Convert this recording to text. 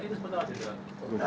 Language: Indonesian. kita nggak ada kaitannya kami